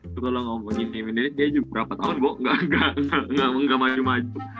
itu kalau lo ngomongin edwin dia juga berapa tahun gua gak maju maju